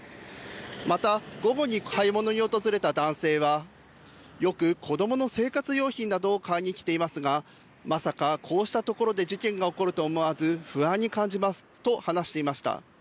また午後に買い物に訪れた男性は、よく子どもの生活用品などを買いに来ていますがまさかこうしたところで事件が起こると思わず不安に感じますと話していました。